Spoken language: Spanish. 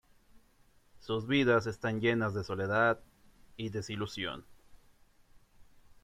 Sus vidas están llenas de soledad y desilusión.